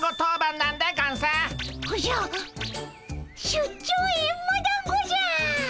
出張エンマだんごじゃ！